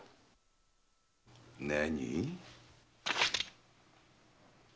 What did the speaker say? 何？